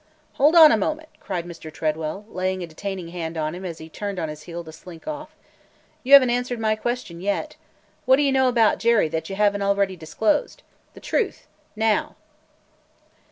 "Hold on a moment!" cried Mr. Tredwell, laying a detaining hand on him as he turned on his heel to slink off. "You have n't answered my question yet. What do you know about Jerry that you have n't already disclosed? The truth – now!"